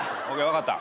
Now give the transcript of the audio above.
分かった。